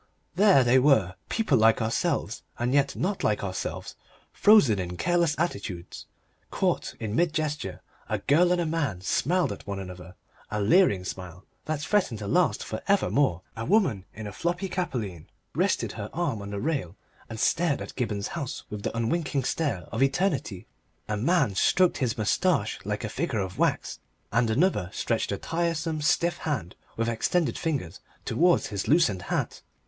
There they were, people like ourselves and yet not like ourselves, frozen in careless attitudes, caught in mid gesture. A girl and a man smiled at one another, a leering smile that threatened to last for evermore; a woman in a floppy capelline rested her arm on the rail and stared at Gibberne's house with the unwinking stare of eternity; a man stroked his moustache like a figure of wax, and another stretched a tiresome stiff hand with extended fingers towards his loosened hat.